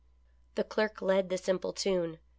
The clerk led the simple tune.